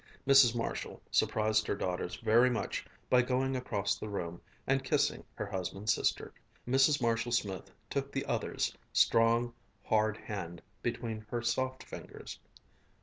Mrs. Marshall surprised her daughters very much by going across the room and kissing her husband's sister. Mrs. Marshall Smith took the other's strong, hard hand between her soft fingers.